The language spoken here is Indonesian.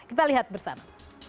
kita lihat bersama